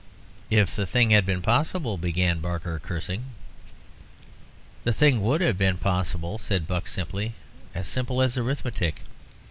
"If the thing had been possible," began Barker, cursing. "The thing would have been as possible," said Buck, simply, "as simple as arithmetic.